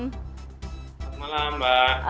selamat malam mbak